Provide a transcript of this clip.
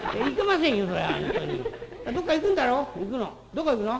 「どこ行くの？」。